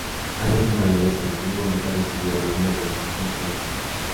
Añade que una de ellas en algún momento recibió el nombre de Antioquía.